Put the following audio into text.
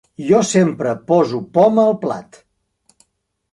Jo sempre poso poma al plat.